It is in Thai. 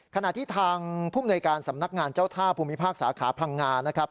ขณะที่ทางภูมิหน่วยการสำนักงานเจ้าท่าภูมิภาคสาขาพังงานะครับ